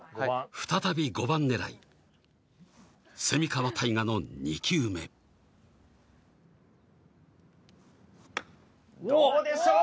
再び５番狙い川泰果の２球目どうでしょう？